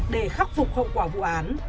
để khắc phục hậu quả vụ án